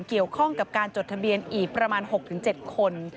เกี่ยวข้องกับการจดทะเบียนอีกประมาณ๖๗คน